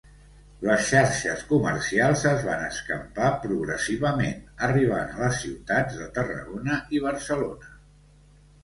Les xarxes comercials es van escampar progressivament, arribant a les ciutats de Tarragona i Barcelona.